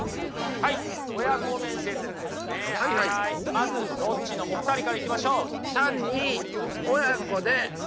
まずロッチのお二人からいきましょう。